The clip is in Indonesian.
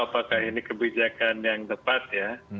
apakah ini kebijakan yang tepat ya